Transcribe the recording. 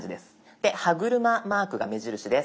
で歯車マークが目印です。